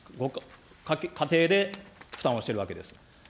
家計で負担をしてるわけです。